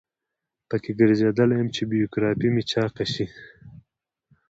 په کې ګرځیدلی یم چې بیوګرافي مې چاقه شي.